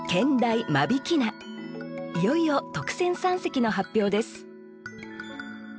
いよいよ特選三席の発表です